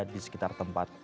di sekitar tempat